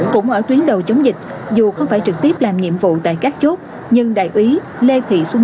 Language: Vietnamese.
cũng ở tuyến đầu chống dịch dù không phải trực tiếp làm nhiệm vụ tại các chốt nhưng đại úy lê thị xuân